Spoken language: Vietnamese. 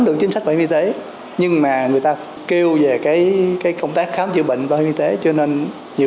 vào bảo hiểm y tế nhưng mà người ta kêu về cái công tác khám chữa bệnh bảo hiểm y tế cho nên nhiều